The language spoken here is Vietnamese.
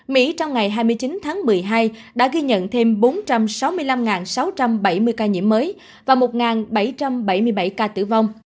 mỹ trong ngày hai mươi chín tháng một mươi hai đã ghi nhận thêm bốn trăm sáu mươi năm sáu trăm bảy mươi ca nhiễm mới và một bảy trăm bảy mươi bảy ca tử vong